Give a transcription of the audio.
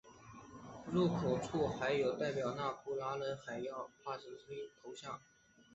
入口处还有代表那不勒斯的海妖帕泰诺佩头像。